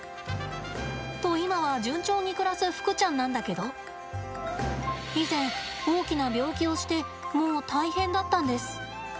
と、今は順調に暮らすふくちゃんなんだけど以前、大きな病気をしてもう大変だったんです。